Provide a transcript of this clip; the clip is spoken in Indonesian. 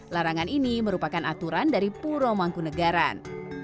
larangan ini merupakan aturan dari puro mangkunegaran